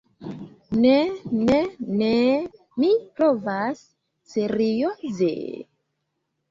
Ne, ne, ne... mi provas serioze...